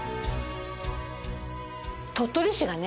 鳥取市がね